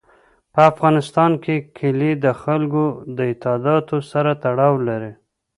په افغانستان کې کلي د خلکو د اعتقاداتو سره تړاو لري.